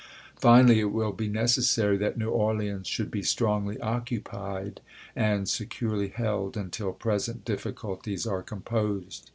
Finally, it will be necessary that New Orleans should be strongly occupied and securely held until present difficulties are composed.